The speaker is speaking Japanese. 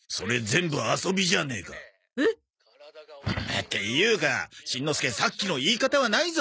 っていうかしんのすけさっきの言い方はないぞ。